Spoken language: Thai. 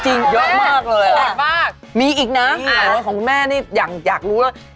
จริงเยอะมากเลยค่ะแปดมากมีอีกนะของแม่นี่อยากรู้เลย